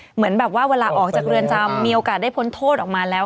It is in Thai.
เหมือนแบบว่าเวลาออกจากเรือนจำมีโอกาสได้พ้นโทษออกมาแล้ว